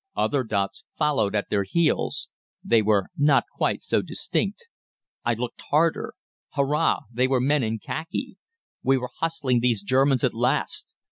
"Other dots followed at their heels. They were not quite so distinct. I looked harder. Hurrah! They were men in khaki. We were hustling these Germans at last.